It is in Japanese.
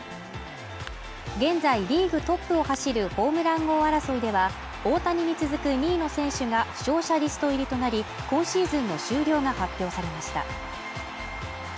現在リーグトップを走るホームラン王争いでは大谷に続く２位の選手が負傷者リスト入りとなり今シーズンの終了が発表されました